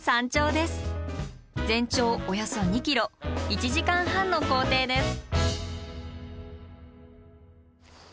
全長およそ２ｋｍ１時間半の行程です。